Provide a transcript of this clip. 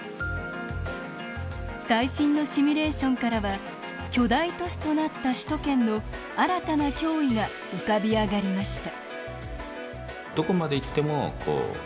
最新のシミューレーションからは巨大都市となった首都圏の新たな脅威が浮かび上がりました。